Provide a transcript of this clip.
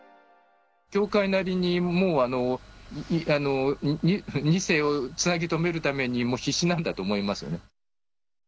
教会なりにもう、２世をつなぎとめるために、もう必死なんだと思いますね。